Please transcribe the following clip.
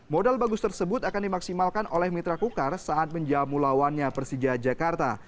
modal bagus tersebut akan dimaksimalkan oleh mitra kukar saat menjamu lawannya persija jakarta